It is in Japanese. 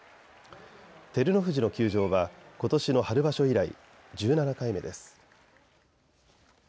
照ノ富士の休場はことしの春場所以来、１７回目です。